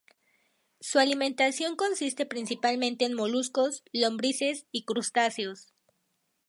Su alimentación consiste principalmente en moluscos, lombrices, y crustáceos.